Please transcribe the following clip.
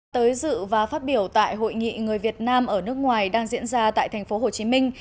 tới dự và phát biểu tại hội nghị người việt nam ở nước ngoài đang diễn ra tại thành phố hồ chí minh